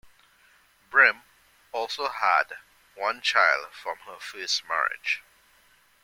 Brim also had one child from her first marriage.